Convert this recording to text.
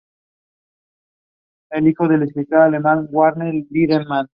Recuerda un tanto a aquella secuencia en "Casablanca".